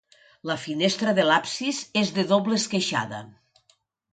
La finestra de l'absis és de doble esqueixada.